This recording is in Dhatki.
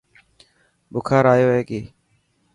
بخار آيو هي ڪي.